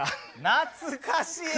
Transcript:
懐かしい。